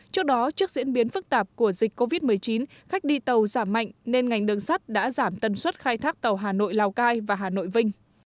trước đó trước diễn biến phức tạp của dịch covid một mươi chín khách đi tàu giảm mạnh nên ngành đường sắt đã giảm tân suất khai thác tàu hà nội lào cai và hà nội vinh